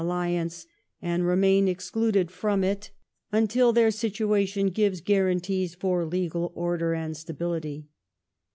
Alliance, and remain excluded from it until their situation gives; • guarantees for legal order and stability.